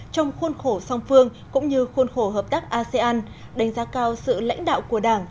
trong khuôn khổ song phương cũng như khuôn khổ hợp tác asean đánh giá cao sự lãnh đạo của đảng